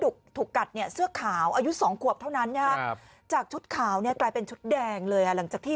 ถูกกัดเนี่ยเสื้อขาวอายุ๒ขวบเท่านั้นนะครับจากชุดขาวเนี่ยกลายเป็นชุดแดงเลยอ่ะหลังจากที่